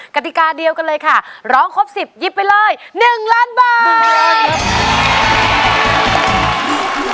กติกาเดียวกันเลยค่ะร้องครบ๑๐ยิบไปเลย๑ล้านบาท